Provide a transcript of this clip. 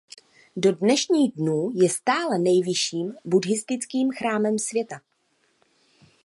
Do dnešních dnů je stále nejvyšším buddhistickým chrámem světa.